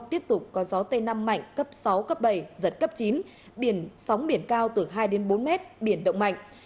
tiếp tục có gió tây nam mạnh cấp sáu cấp bảy giật cấp chín biển sóng biển cao từ hai đến bốn mét biển động mạnh